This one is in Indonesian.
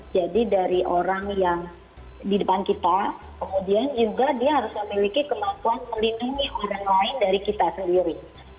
jadi dari orang yang di depan kita kemudian juga dia harus memiliki kemampuan melindungi orang lain dari kita sendiri